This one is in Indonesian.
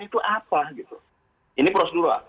itu apa ini prosedur